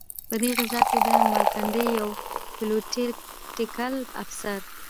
په دې غزا کې د ملکنډ یو پلوټیکل افسر.